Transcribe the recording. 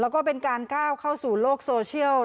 แล้วก็เป็นการก้าวเข้าสู่โลกโซเชียล